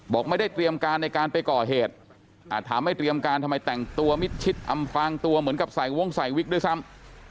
บอกไม่ได้เตรียมการในการไปก่อเหตุถามไม่เตรียมการทำไมแต่งตัวมิดชิดอำพลางตัวเหมือนกับใส่วงใส่วิกด้วยซ้ำ